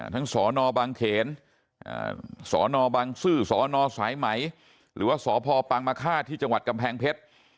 ทั้งสนเขียนสนซื้อสนสายไหมหรือว่าสพปางมาฆาตที่จังหวัดกำแพงเพชร